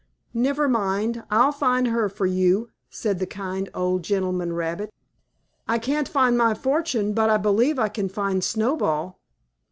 Never mind. I'll find her for you," said the kind old gentleman rabbit. "I can't find my fortune but I believe I can find Snowball.